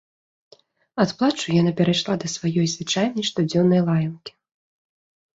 Ад плачу яна перайшла да сваёй звычайнай, штодзённай лаянкі.